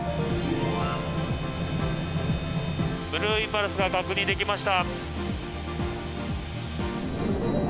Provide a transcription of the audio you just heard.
ブルーインパルスが確認できました。